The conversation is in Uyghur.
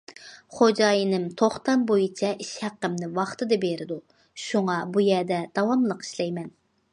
خوجايىنىم توختام بويىچە ئىش ھەققىمنى ۋاقتىدا بېرىدۇ، شۇڭا بۇ يەردە داۋاملىق ئىشلەيمەن.